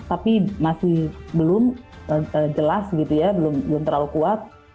tapi masih belum jelas belum terlalu kuat